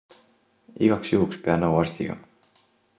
Igaks juhuks pea nõu arstiga.